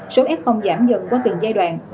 số f giảm dần qua từng giai đoạn